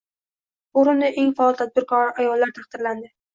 Forumda eng faol tadbirkor ayollar taqdirlandi